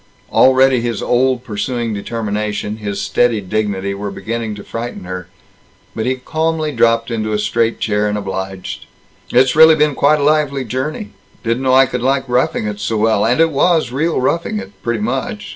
Already his old pursuing determination, his steady dignity, were beginning to frighten her. But he calmly dropped into a straight chair, and obliged: "It's really been quite a lively journey. Didn't know I could like roughing it so well. And it was real roughing it, pretty much.